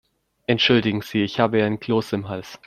Entschuldigen Sie, ich habe einen Kloß im Hals.